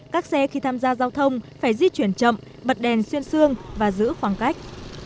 các xe khi tham gia giao thông phải di chuyển chậm bật đèn xuyên xương và giữ khoảng cách